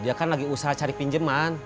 dia kan lagi usaha cari pinjaman